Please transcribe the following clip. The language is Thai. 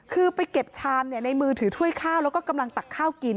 คือไปเก็บชามในมือถือถ้วยข้าวแล้วก็กำลังตักข้าวกิน